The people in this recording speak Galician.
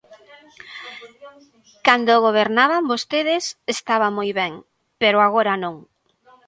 Cando gobernaban vostedes, estaba moi ben, pero agora non.